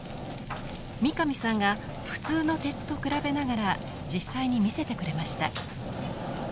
三上さんが普通の鉄と比べながら実際に見せてくれました。